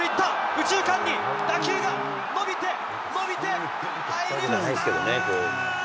右中間に、打球が伸びて、伸びて、入りました。